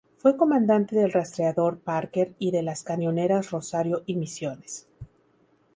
Fue comandante del rastreador "Parker" y de las cañoneras "Rosario" y "Misiones".